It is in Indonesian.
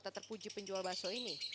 tak terpuji penjual bakso ini